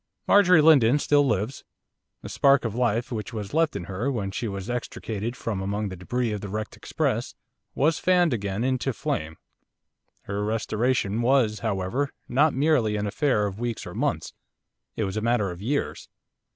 Marjorie Lindon still lives. The spark of life which was left in her, when she was extricated from among the débris of the wrecked express, was fanned again into flame. Her restoration was, however, not merely an affair of weeks or months, it was a matter of years.